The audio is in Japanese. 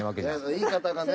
言い方がね。